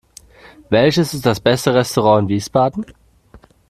Welches ist das beste Restaurant in Wiesbaden?